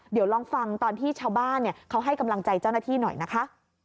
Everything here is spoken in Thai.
เดี๋ยวลองฟังตอนที่ชาวบ้านเขาให้กำลังใจเจ้าหน้าที่หน่อยนะคะ